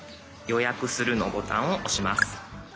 「予約する」のボタンを押します。